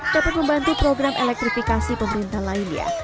dapat membantu program elektrifikasi pemerintah lainnya